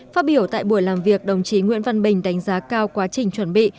phát biểu tại buổi làm việc đồng chí nguyễn văn bình đánh giá cao quá trình chuẩn bị